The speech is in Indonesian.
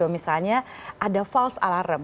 misalnya ada false alarm